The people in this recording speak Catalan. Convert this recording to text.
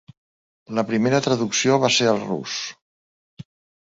La primera traducció va ser al rus.